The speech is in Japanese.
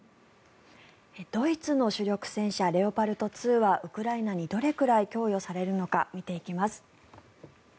ドイツの主力戦車レオパルト２はウクライナにどれくらい供与されるのか見ていきます。